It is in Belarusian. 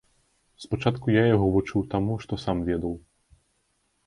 Спачатку я яго вучыў таму, што сам ведаў.